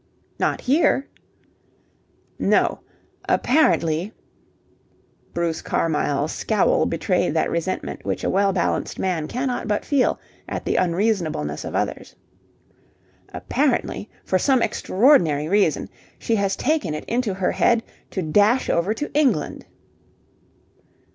"Not here?" "No. Apparently..." Bruce Carmyle's scowl betrayed that resentment which a well balanced man cannot but feel at the unreasonableness of others. "... Apparently, for some extraordinary reason, she has taken it into her head to dash over to England."